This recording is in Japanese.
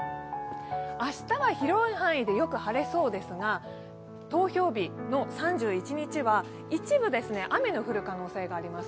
明日は広い範囲でよく晴れそうですが、投票日の３１日は一部、雨の降る可能性があります。